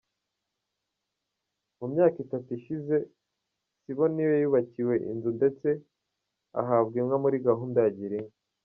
Mu myaka itatu ishize, Siboniyo yubakiwe inzu ndetse ahabwa inka muri gahunda ya Girinka.